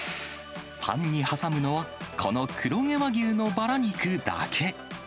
パンに挟むのは、この黒毛和牛のバラ肉だけ。